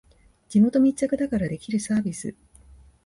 地元密着だからできるサービス